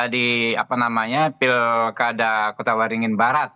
di apa namanya pilkada kota waringin barat